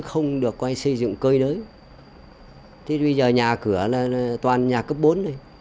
không được xây dựng cơi nới thì bây giờ nhà cửa toàn nhà cấp bốn thôi